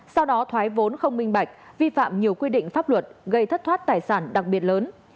sau đó thoái vốn không minh bạch vi phạm nhiều quy định pháp luật gây thất thoát tài sản đặc biệt lớn